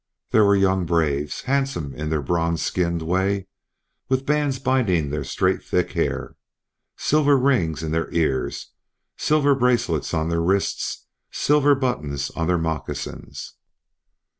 There were young braves, handsome in their bronze skinned way, with bands binding their straight thick hair, silver rings in their ears, silver bracelets on their wrists, silver buttons on their moccasins.